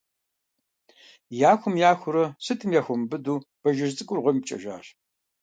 Яхум-яхуурэ – сытми яхуэмубыду Бажэжь цӀыкӀур гъуэм ипкӀэжащ.